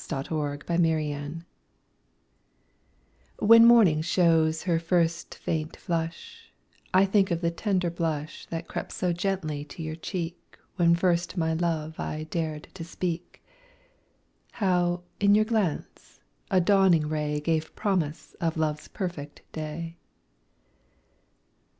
MORNING, NOON AND NIGHT When morning shows her first faint flush, I think of the tender blush That crept so gently to your cheek When first my love I dared to speak; How, in your glance, a dawning ray Gave promise of love's perfect day.